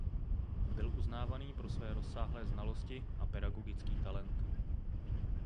Byl uznávaný pro své rozsáhlé znalosti a pedagogický talent.